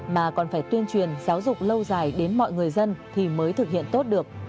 mà còn phải tuyên truyền giáo dục lâu dài đến mọi người dân thì mới thực hiện tốt được